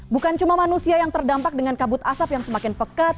bukan cuma manusia yang terdampak dengan kabut asap yang semakin pekat